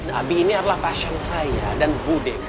nabi ini adalah pasang saya dan bu dewi